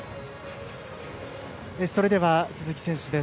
それでは、鈴木選手です。